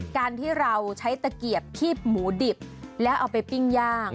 การที่เราใช้ตะเกียบคีบหมูดิบแล้วเอาไปปิ้งย่าง